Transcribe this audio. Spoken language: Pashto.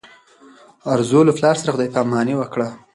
ارزو له پلار سره خدای په اماني وکړه.